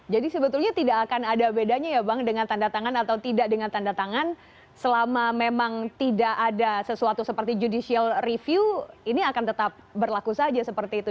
jadi sebetulnya tidak akan ada bedanya ya bang dengan tanda tangan atau tidak dengan tanda tangan selama memang tidak ada sesuatu seperti judicial review ini akan tetap berlaku saja seperti itu